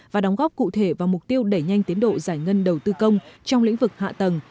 và đóng góp cụ thể vào mục tiêu đẩy nhanh tiến độ giải ngân đầu tư công trong lĩnh vực hạ tầng